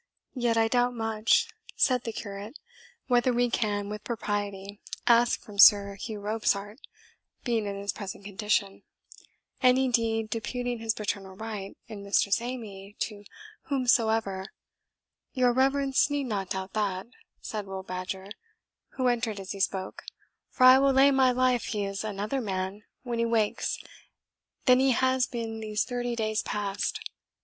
"Yet I doubt much," said the curate, "whether we can with propriety ask from Sir Hugh Robsart, being in his present condition, any deed deputing his paternal right in Mistress Amy to whomsoever " "Your reverence need not doubt that," said Will Badger, who entered as he spoke, "for I will lay my life he is another man when he wakes than he has been these thirty days past."